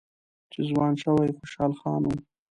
چې ځوان شوی خوشحال خان و